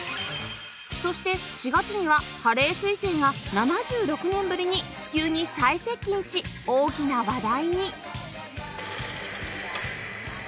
そして４月にはハレー彗星が７６年ぶりに地球に再接近し大きな話題に